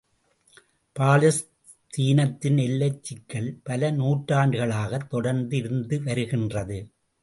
பாலஸ்தீனத்தின் எல்லைச் சிக்கல் பல நூற்றாண்டுகளாகத் தொடர்ந்து இருந்து வருகின்றது.